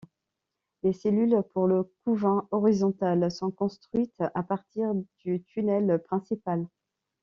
Les cellules pour le couvain, horizontales, sont construites à partir du tunnel principal.